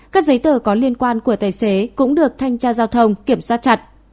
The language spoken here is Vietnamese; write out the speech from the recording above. các giấy tờ có liên quan của tài xế cũng được thanh tra giao thông kiểm soát chặt